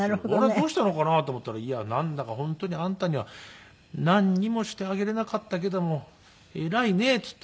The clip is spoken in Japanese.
どうしたのかな？と思ったら「いやなんだか本当にあんたにはなんにもしてあげれなかったけども偉いね」っていってね。